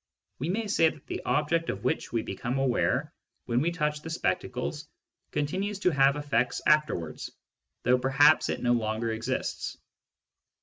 We may say that the object of which we become aware when we touch the spectacles continues to have effects afterwards, though perhaps it no longer exists.